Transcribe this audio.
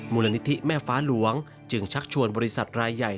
มูลนิธิแม่ฟ้าหลวงจึงชักชวนบริษัทรายใหญ่